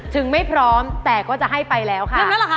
ถึงไม่พร้อมแต่ก็จะให้ไปแล้วค่ะ